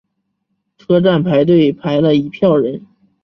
车站排队排了一票人